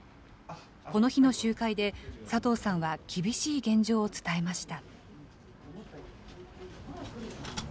この日の集会で、佐藤さんは厳しい現状を伝えました。